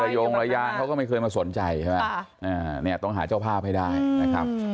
ละยงละยางเขาก็ไม่เคยมาสนใจต้องหาเจ้าภาพให้ได้นะครับ